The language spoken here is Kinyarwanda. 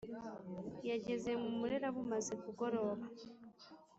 yageze mu murera bumaze kugoroba.